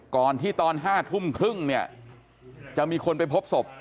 ก่อนที่ตอน๕ทุ่มครึ่งเนี่ยจะมีคนไปพบศพ